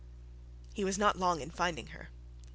He was not long in finding her.